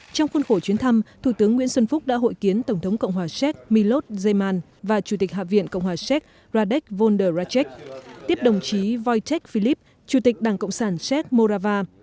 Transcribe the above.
trong khuôn khổ chuyến thăm thủ tướng nguyễn xuân phúc đã hội kiến tổng thống cộng hòa séc milot zeman và chủ tịch hạ viện cộng hòa séc radek vondracek tiếp đồng chí wojtek filip chủ tịch đảng cộng sản séc morava